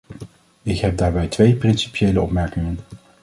Ik heb daarbij twee principiële opmerkingen.